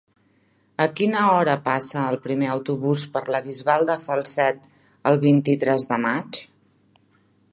A quina hora passa el primer autobús per la Bisbal de Falset el vint-i-tres de maig?